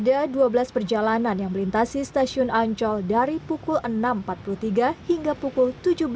ada dua belas perjalanan yang melintasi stasiun ancol dari pukul enam empat puluh tiga hingga pukul tujuh belas